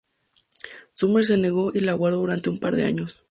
Summer se negó y la guardó durante un par de años.